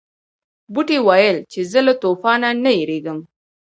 بوټي ویل چې زه له طوفان نه یریږم.